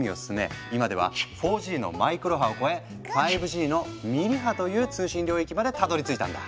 今では４Ｇの「マイクロ波」を超え５Ｇの「ミリ波」という通信領域までたどりついたんだ。